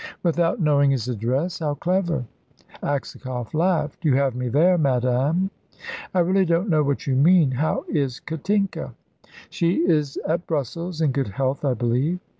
"Without knowing his address? How clever!" Aksakoff laughed. "You have me there, madame." "I really don't know what you mean. How is Katinka?" "She is at Brussels. In good health, I believe."